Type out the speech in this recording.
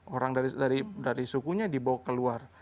orang dari sukunya dibawa keluar